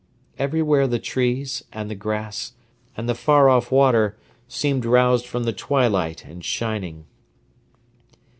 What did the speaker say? Everywhere the trees, and the grass, and the far off water, seemed roused from the twilight and shining.